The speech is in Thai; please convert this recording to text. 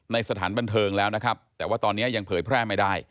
สถานบันเทิงแล้วนะครับแต่ว่าตอนนี้ยังเผยแพร่ไม่ได้